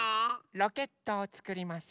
ロケットをつくります。